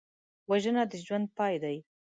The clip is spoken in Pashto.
وژنه د ژوند پای دی